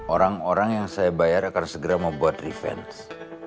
orang orang yang saya bayar akan segera membuat refense